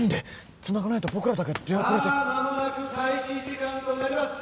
つながないと僕らだけ出遅れて・さあまもなく開始時間となります